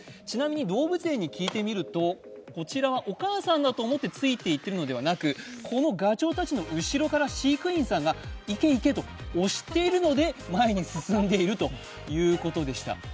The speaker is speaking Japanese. ちなみに動物園に聞いてみるとお母さんだと思ってついていってるのではなくてこのガチョウたちの後ろから飼育員さんたちが行け行けと押しているので、前に進んでいるということでした。